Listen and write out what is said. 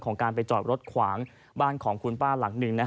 กับความเกิดจอดรถขวางบ้านของคุณป้าหลักหนึ่ง